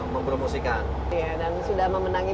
mempromosikan dan sudah memenangi